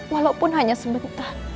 walaupun hanya sebentar